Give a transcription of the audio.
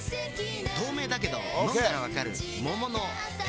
透明だけど飲んだらわかる桃の天然水。